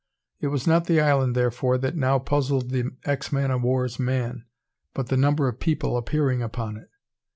It was not the island, therefore, that now puzzled the ex man o' war's man, but the number of people appearing upon it.